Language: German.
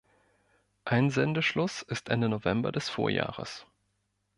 Einsendeschluss ist Ende November des Vorjahres.